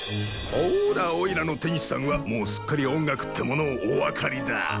ほらおいらの天使さんはもうすっかり音楽ってものをお分かりだ。